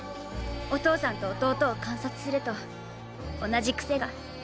お父さんと弟を観察すると同じ癖が。